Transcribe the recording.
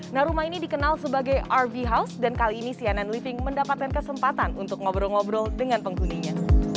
nah rumah ini dikenal sebagai rv house dan kali ini cnn living mendapatkan kesempatan untuk ngobrol ngobrol dengan penghuninya